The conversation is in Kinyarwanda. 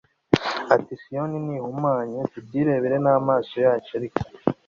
ati siyoni nihumanywe tubyirebera n amaso yacu ariko